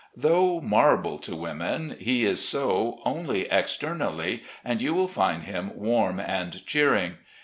Though marble to women, he is so only externally, and you will find him warm and cheering.